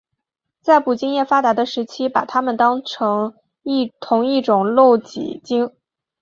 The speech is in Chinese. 在捕鲸业发达的时期是把它们当成同一种露脊鲸。